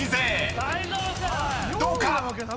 ［どうか⁉］